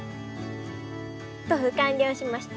塗布完了しました。